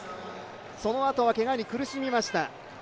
そのあとはけがに苦しみました。